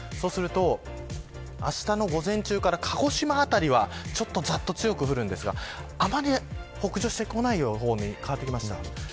そうすると、あしたの午前中から鹿児島あたりはざっと強く降るんですがあまり北上してこない予報に変わってきました。